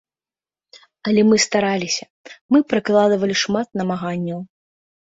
Але мы стараліся, мы прыкладвалі шмат намаганняў.